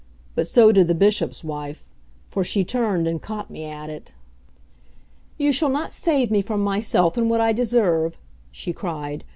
But so did the Bishop's wife; for she turned and caught me at it. "You shall not save me from myself and what I deserve," she cried.